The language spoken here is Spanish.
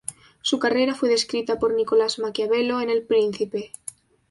Su carrera fue descrita por Nicolás Maquiavelo en "El Príncipe".